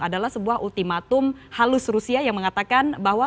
adalah sebuah ultimatum halus rusia yang mengatakan bahwa